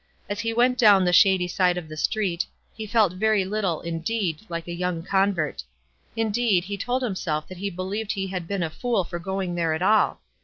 As he went down the shady side of the street, he felt very little, indeed, like a young convert. Indeed, he told himself that he believed he had been a fool for going there at all